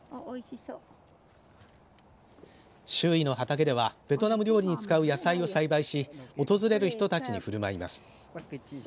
周囲の畑ではベトナム料理に使う野菜を栽培し訪れる人たちにふるまいます。